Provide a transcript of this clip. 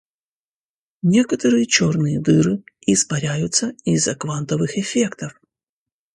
Некоторые черные дыры испаряются из-за квантовых эффектов.